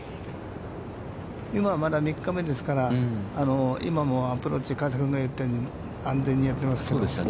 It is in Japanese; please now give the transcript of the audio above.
今まだ３日目ですから、今もアプローチ、加瀬君が言ったとおり安全にやってますね。